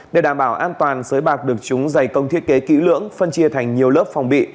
để đảm bảo an toàn sới bạc được chúng dày công thiết kế kỹ lưỡng phân chia thành nhiều lớp phòng bị